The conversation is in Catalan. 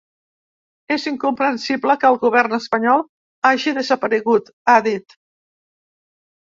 És incomprensible que el govern espanyol hagi desaparegut, ha dit.